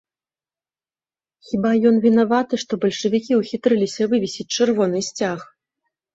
Хіба ён вінаваты, што бальшавікі ўхітрыліся вывесіць чырвоны сцяг?